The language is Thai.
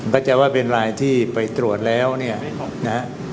ก็จะว่าเป็นรายที่ไปตรวจแล้วเนี่ยนะฮะ